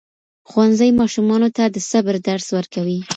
ښوونځي ماشومانو ته د صبر درس ورکوي.